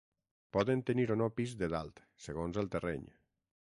Poden tenir o no pis de dalt, segons el terreny.